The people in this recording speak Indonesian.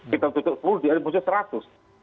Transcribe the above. kita tutup sepuluh dia mestinya seratus